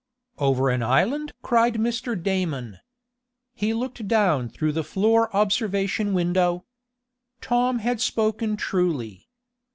"Over an island!" cried Mr. Damon. He looked down through the floor observation window. Tom had spoken truly.